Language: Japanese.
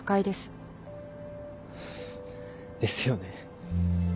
ですよね